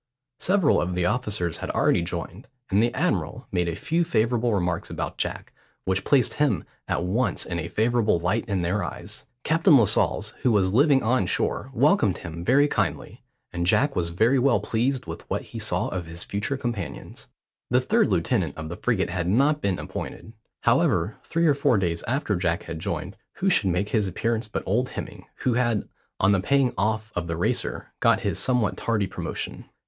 Several of the officers had already joined, and the admiral made a few favourable remarks about Jack, which placed him at once in a favourable light in their eyes. Captain Lascelles, who was living on shore, welcomed him very kindly, and Jack was very well pleased with what he saw of his future companions. The third lieutenant of the frigate had not been appointed. However, three or four days after Jack had joined, who should make his appearance but old Hemming, who had, on the paying off of the Racer, got his somewhat tardy promotion.